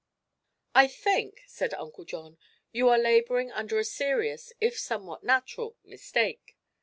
"I think," said Uncle John, "you are laboring under a serious, if somewhat natural, mistake.